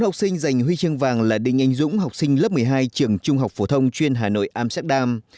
học sinh giành huy chương vàng là đinh anh dũng học sinh lớp một mươi hai trường trung học phổ thông chuyên hà nội amsterdam